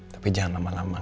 tapi jangan lama lama